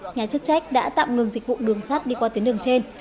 nhà chức trách đã tạm ngừng dịch vụ đường sắt đi qua tuyến đường trên